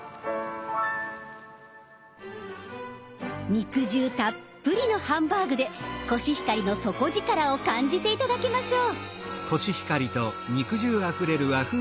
肉汁たっぷりのハンバーグでコシヒカリの底力を感じて頂きましょう。